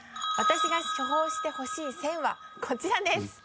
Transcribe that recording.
私が処方してほしい「選」はこちらです。